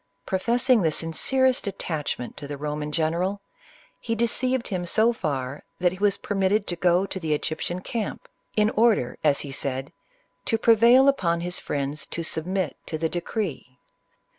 Professing the sincerest attachment to the Roman general, he deceived him so far, that he was permitted to go to the Egyptian camp, in order, as he CLEOPATRA. 25 said, to prevail upon his friends to submit to the decree.